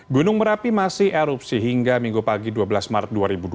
gunung merapi masih erupsi hingga minggu pagi dua belas maret dua ribu dua puluh